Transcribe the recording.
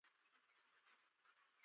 زه پنځه وروڼه لرم